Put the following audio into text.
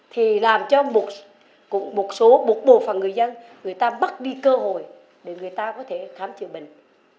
thì làm cho một số bộ phận người dân người ta bắt đi cơ hội để người ta có thể khám chữa bệnh